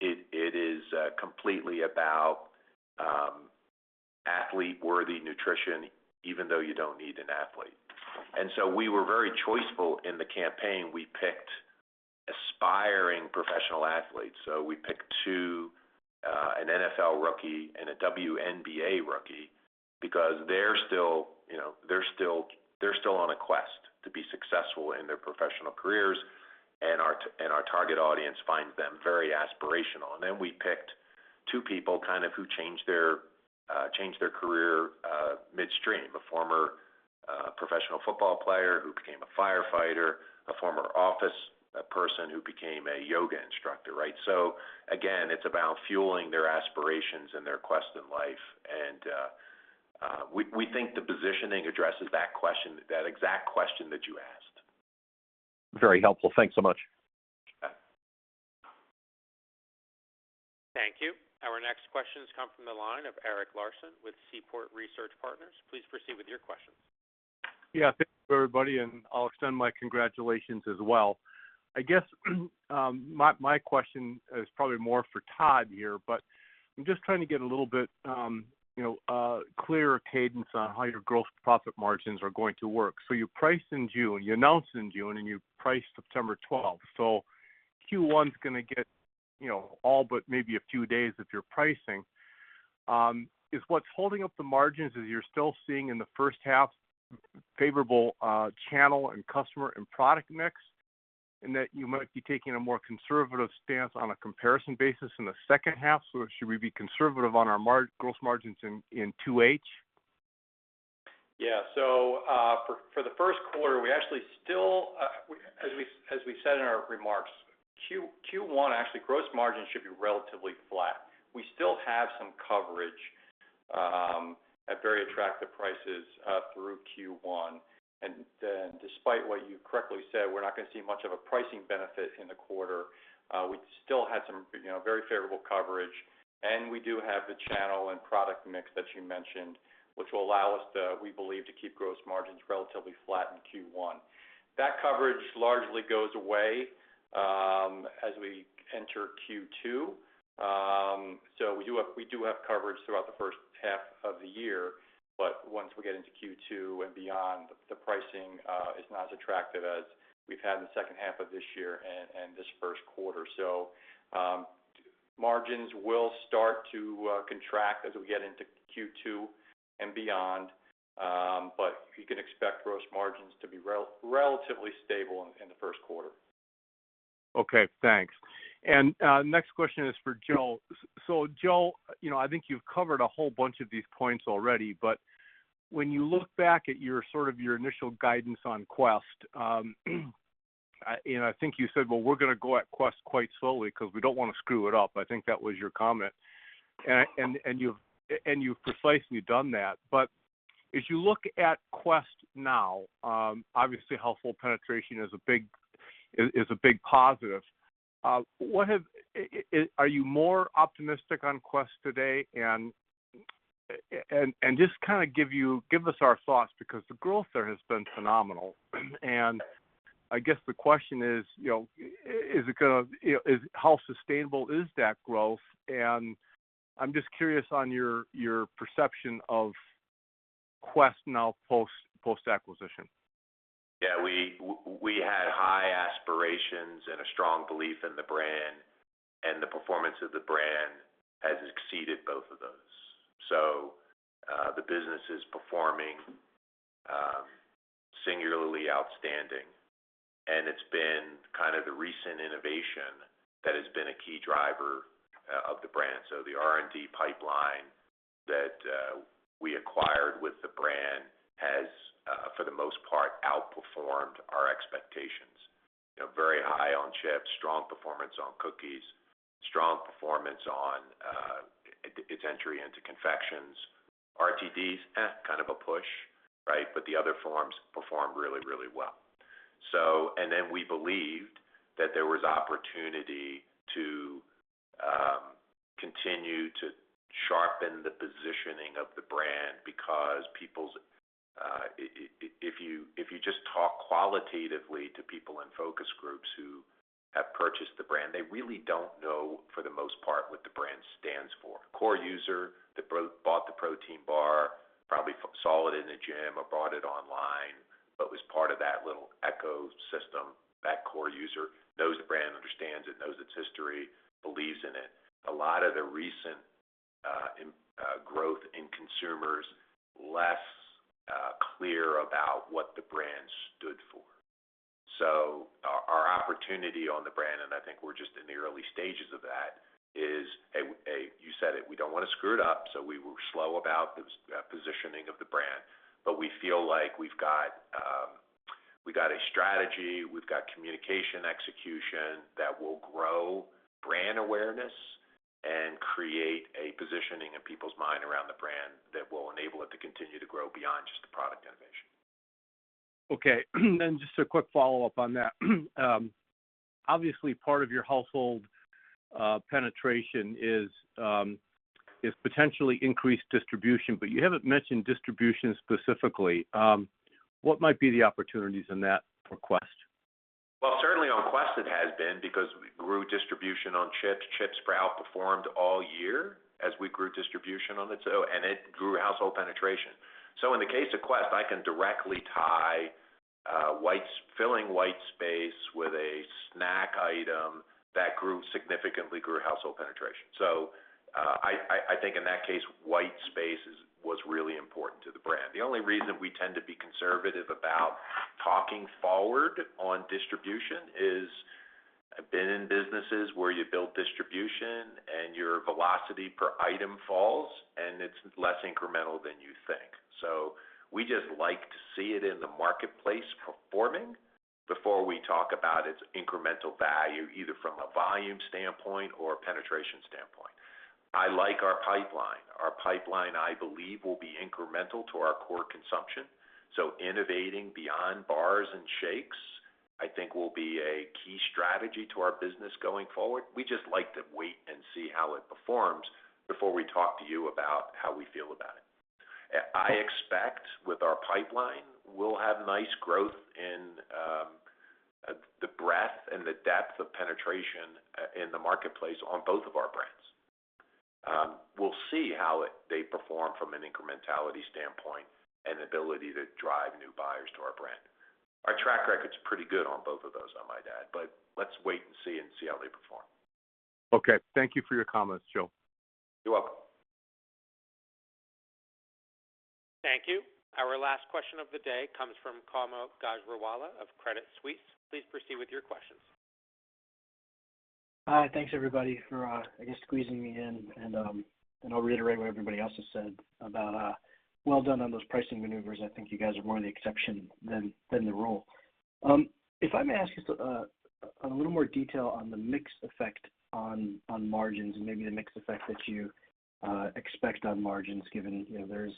it is completely about athlete-worthy nutrition, even though you don't need an athlete. We were very choiceful in the campaign. We picked aspiring professional athletes. We picked two, an NFL rookie and a WNBA rookie, because they're still on a quest to be successful in their professional careers, and our target audience finds them very aspirational. We picked two people kind of who changed their career midstream. A former professional football player who became a firefighter, a former office person who became a yoga instructor, right? Again, it's about fueling their aspirations and their quest in life. We think the positioning addresses that question, that exact question that you asked. Very helpful. Thanks so much. Okay. Thank you. Our next questions come from the line of Eric Larson with Seaport Research Partners. Please proceed with your questions. Thank you, everybody, and I'll extend my congratulations as well. I guess my question is probably more for Todd here, but I'm just trying to get a little bit clearer cadence on how your gross profit margins are going to work. You price in June, you announce in June, and you price September 12th. Q1's going to get all but maybe a few days of your pricing. Is what's holding up the margins is you're still seeing in the first half favorable channel and customer and product mix? In that you might be taking a more conservative stance on a comparison basis in the second half, so should we be conservative on our gross margins in 2H? Yeah. For the first quarter, as we said in our remarks, Q1, actually, gross margins should be relatively flat. We still have some coverage at very attractive prices through Q1. Despite what you correctly said, we're not going to see much of a pricing benefit in the quarter. We still had some very favorable coverage, and we do have the channel and product mix that you mentioned, which will allow us to, we believe, to keep gross margins relatively flat in Q1. That coverage largely goes away as we enter Q2. We do have coverage throughout the first half of the year, but once we get into Q2 and beyond, the pricing is not as attractive as we've had in the second half of this year and this first quarter. Margins will start to contract as we get into Q2 and beyond. You can expect gross margins to be relatively stable in the first quarter. Okay, thanks. Next question is for Joe. Joe, I think you've covered a whole bunch of these points already, but when you look back at your sort of initial guidance on Quest, I think you said, "Well, we're going to go at Quest quite slowly because we don't want to screw it up." I think that was your comment. You've precisely done that. As you look at Quest now, obviously household penetration is a big positive. Are you more optimistic on Quest today? Just kind of give us our thoughts because the growth there has been phenomenal. I guess the question is, how sustainable is that growth? I'm just curious on your perception of Quest now post-acquisition. Yeah, we had high aspirations and a strong belief in the brand. The performance of the brand has exceeded both of those. The business is performing singularly outstanding, and it's been kind of the recent innovation that has been a key driver of the brand. The R&D pipeline that we acquired with the brand has, for the most part, outperformed our expectations. Very high on chips, strong performance on cookies, strong performance on its entry into confections. RTDs, kind of a push, right? The other forms performed really, really well. We believed that there was opportunity to continue to sharpen the positioning of the brand because if you just talk qualitatively to people in focus groups who have purchased the brand, they really don't know, for the most part, what the brand stands for. Core user that bought the protein bar probably saw it in the gym or bought it online, but was part of that little ecosystem. That core user knows the brand, understands it, knows its history, believes in it. A lot of the recent growth in consumers, less clear about what the brand stood for. Our opportunity on the brand, and I think we're just in the early stages of that, is, you said it, we don't want to screw it up, so we were slow about the positioning of the brand. We feel like we've got a strategy, we've got communication execution that will grow brand awareness and create a positioning in people's mind around the brand that will enable it to continue to grow beyond just the product innovation. Okay. Just a quick follow-up on that. Obviously, part of your household penetration is potentially increased distribution, but you haven't mentioned distribution specifically. What might be the opportunities in that for Quest? Well, certainly on Quest it has been, because we grew distribution on chips. Chips outperformed all year as we grew distribution on it, and it grew household penetration. In the case of Quest, I can directly tie filling white space with a snack item that significantly grew household penetration. I think in that case, white space was really important to the brand. The only reason we tend to be conservative about talking forward on distribution is I've been in businesses where you build distribution and your velocity per item falls, and it's less incremental than you think. We just like to see it in the marketplace performing before we talk about its incremental value, either from a volume standpoint or a penetration standpoint. I like our pipeline. Our pipeline, I believe, will be incremental to our core consumption. Innovating beyond bars and shakes, I think will be a key strategy to our business going forward. We just like to wait and see how it performs before we talk to you about how we feel about it. I expect with our pipeline, we'll have nice growth in the breadth and the depth of penetration in the marketplace on both of our brands. We'll see how they perform from an incrementality standpoint and ability to drive new buyers to our brand. Our track record's pretty good on both of those, I might add, but let's wait and see how they perform. Okay. Thank you for your comments, Joe. You're welcome. Thank you. Our last question of the day comes from Kaumil Gajrawala of Credit Suisse. Please proceed with your questions. Hi. Thanks everybody for, I guess, squeezing me in and, I'll reiterate what everybody else has said about well done on those pricing maneuvers. I think you guys are more the exception than the rule. If I may ask you, a little more detail on the mix effect on margins and maybe the mix effect that you expect on margins, given there's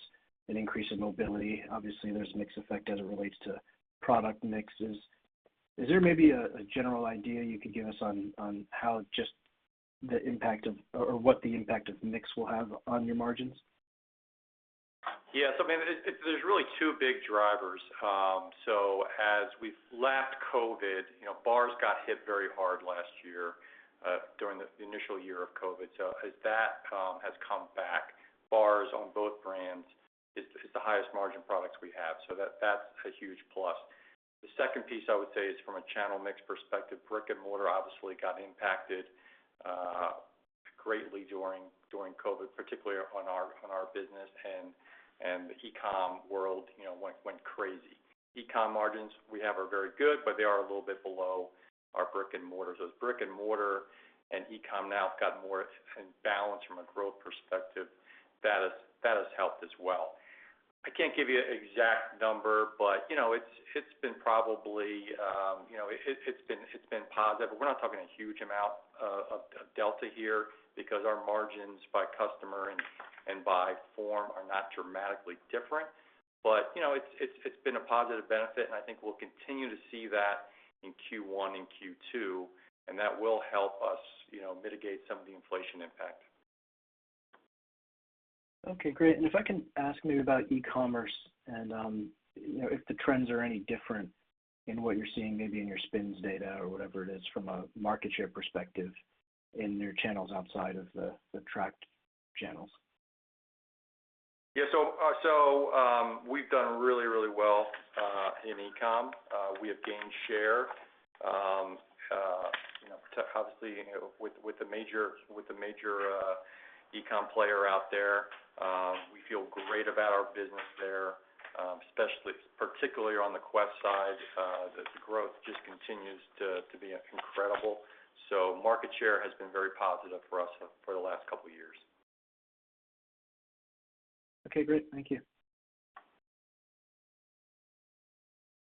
an increase in mobility. There's mix effect as it relates to product mixes. Is there maybe a general idea you could give us on what the impact of mix will have on your margins? Yeah. There's really two big drivers. As we've left COVID, bars got hit very hard last year during the initial year of COVID. As that has come back, bars on both brands, it's the highest margin products we have. That's a huge plus. The second piece I would say is from a channel mix perspective. Brick and mortar obviously got impacted greatly during COVID, particularly on our business and the e-com world went crazy. E-com margins we have are very good, but they are a little bit below our brick and mortars. As brick and mortar and e-com now have got more in balance from a growth perspective, that has helped as well. I can't give you an exact number, but it's been positive. We're not talking a huge amount of delta here because our margins by customer and by form are not dramatically different. It's been a positive benefit, and I think we'll continue to see that in Q1 and Q2, and that will help us mitigate some of the inflation impact. Okay, great. If I can ask maybe about e-commerce and if the trends are any different in what you're seeing, maybe in your SPINS data or whatever it is from a market share perspective in your channels outside of the tracked channels. Yeah. We've done really well in e-com. We have gained share. Obviously, with the major e-com player out there, we feel great about our business there, particularly on the Quest side. The growth just continues to be incredible. Market share has been very positive for us for the last couple of years. Okay, great. Thank you.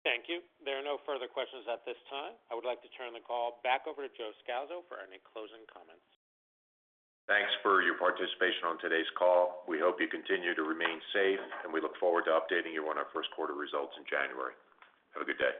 Thank you. There are no further questions at this time. I would like to turn the call back over to Joe Scalzo for any closing comments. Thanks for your participation on today's call. We hope you continue to remain safe, and we look forward to updating you on our first quarter results in January. Have a good day.